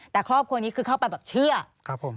แต่ครอบครัวนี้คือเข้าไปแบบเชื่อครับผม